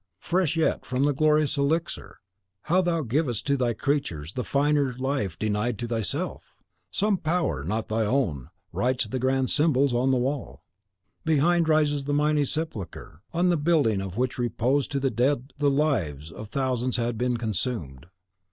Fresh yet from the glorious elixir, how thou givest to thy creatures the finer life denied to thyself! some power not thine own writes the grand symbols on the wall. Behind rises the mighty sepulchre, on the building of which repose to the dead the lives of thousands had been consumed.